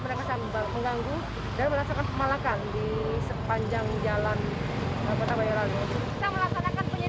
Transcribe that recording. mereka mengganggu dan melaksanakan pemalakan di sepanjang jalan kota boyolali